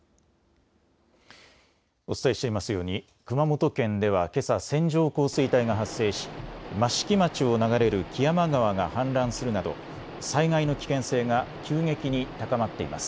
お伝えしていますように熊本県ではけさ線状降水帯が発生し益城町を流れる木山川が氾濫するなど災害の危険性が急激に高まっています。